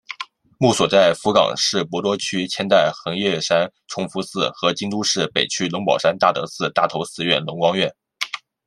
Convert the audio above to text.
墓所在福冈市博多区千代横岳山崇福寺和京都市北区龙宝山大德寺搭头寺院龙光院。